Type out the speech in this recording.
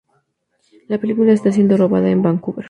La película está siendo rodada en Vancouver.